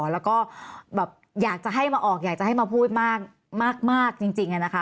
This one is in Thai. แล้วก็แบบอยากจะให้มาออกอยากจะให้มาพูดมากจริงนะคะ